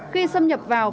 khi xâm nhập vào